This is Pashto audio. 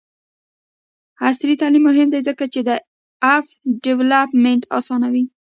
عصري تعلیم مهم دی ځکه چې د اپ ډیولپمنټ اسانوي.